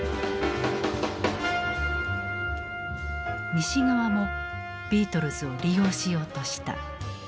西側もビートルズを利用しようとした。